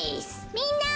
みんな！